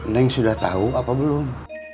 neng sudah tahu apa belum